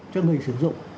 cho người sử dụng